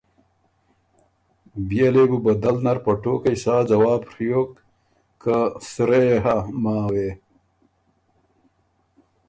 بيې لې بُو بدل نر په ټوقئ سا ځواب ڒیوک که سرۀ يې هۀ ”ماوې“